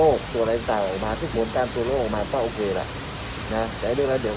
ออกมาทุกหมวนตามตัวโลกออกมาก็โอเคล่ะนะเดี๋ยวเราเดี๋ยว